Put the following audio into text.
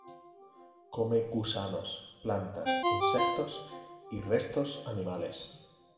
Come gusanos, plantas, insectos y restos animales.